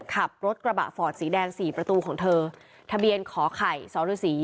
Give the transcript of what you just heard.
ขับรถกระบะฟอร์ดสีแดงสี่ประตูของเธอทะเบียนขอไข่สรสี